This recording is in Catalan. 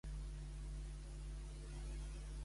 Ciutadans ha tornat a provocar a Canet de Mar.